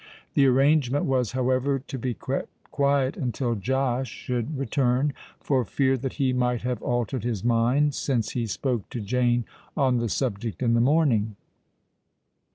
The arrangement was, however, to be kept quiet until Josh should return, for fear that he might have altered his mind since he spoke to Jane on the subject in the morning.